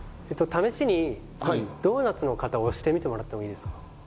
試しにドーナツの方押してみてもらってもいいですか？